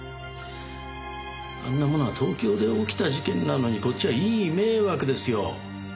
あんなものは東京で起きた事件なのにこっちはいい迷惑ですよ。